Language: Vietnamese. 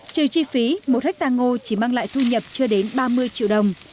trừ chi phí một hectare ngô chỉ mang lại thu nhập chưa đến ba mươi triệu đồng